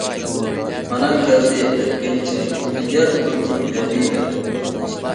مانا كەلدى ئەتكەنچاي، تەييار قىلدى ھەبىبە.